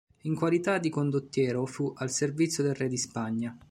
In qualità di condottiero fu al servizio del re di Spagna.